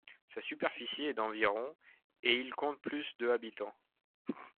Sa superficie est d'environ et il compte plus de habitants.